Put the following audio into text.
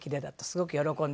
すごく喜んで。